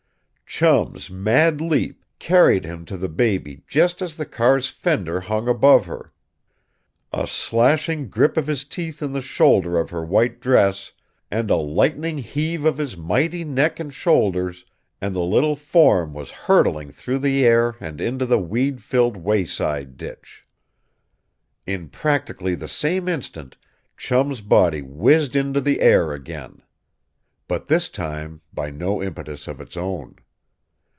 Chum's mad leap carried him to the baby just as the car's fender hung above her. A slashing grip of his teeth in the shoulder of her white dress and a lightning heave of his mighty neck and shoulders and the little form was hurtling through the air and into the weed filled wayside ditch. In practically the same instant Chum's body whizzed into the air again. But this time by no impetus of its own.